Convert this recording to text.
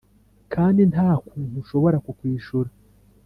kandi nta kuntu nshobora kukwishura,